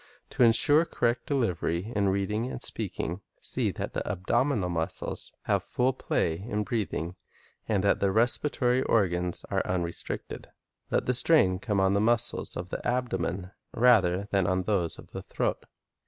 To insure correct delivery in reading and speaking, see that the abdominal muscles have full play in breathing, and that the respiratory organs are unrestricted. Let the strain come on the muscles of the abdomen, rather than on those of the throat.